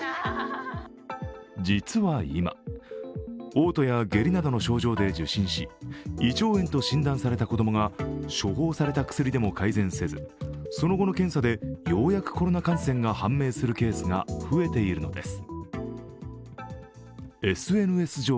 実は今、おう吐や下痢などの症状で受診し、胃腸炎と診断された子供が処方された薬でも改善せず、その後の検査で、ようやくコロナ感染が判明するケースが増えているのです。